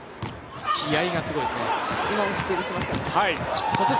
気合いがすごいですね。